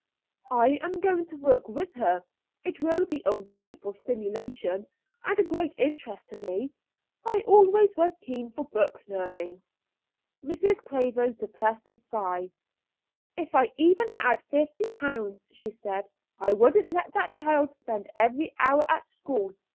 "I am going to work with her. It will be a wonderful stimulation, and a great interest to me. I always was keen for book learning." Mrs. Craven suppressed a sigh. "If I even had fifty pounds," she said, "I wouldn't let that child spend every hour at school.